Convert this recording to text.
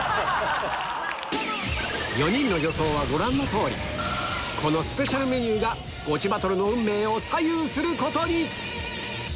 ４人の予想はご覧の通りこのスペシャルメニューがゴチバトルの運命を左右することに！